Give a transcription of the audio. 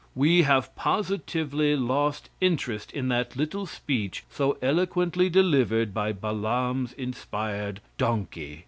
We have positively lost interest in that little speech so eloquently delivered by Balaam's inspired donkey.